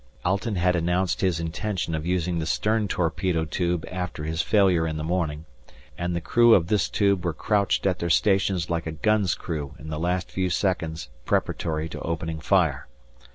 Alten had announced his intention of using the stern torpedo tube after his failure in the morning, and the crew of this tube were crouched at their stations like a gun's crew in the last few seconds preparatory to opening fire.